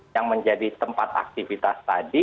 yang menjadi tempat aktivitas tadi